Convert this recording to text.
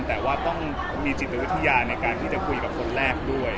แต่ว่าต้องมีจิตวิทยาในการที่จะคุยกับคนแรกด้วย